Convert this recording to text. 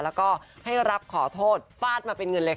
แล้วก็ให้รับขอโทษฟาดมาเป็นเงินเลยค่ะ